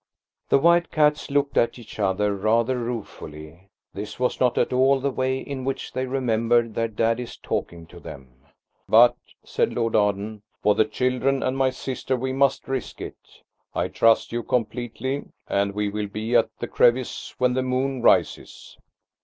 The white cats looked at each other rather ruefully. This was not at all the way in which they remembered their daddy's talking to them. "But," said Lord Arden, "for the children and my sister we must risk it. I trust you completely, and we will be at the crevice when the moon rises."